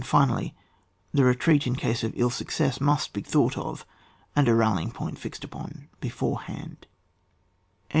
Finally, the retreat in case of ill success must be thought of, and a rallying point be fixed upon beforehand.